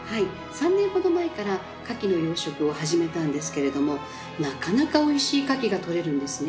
３年ほど前から牡蠣の養殖を始めたんですけれどもなかなかおいしい牡蠣が取れるんですね。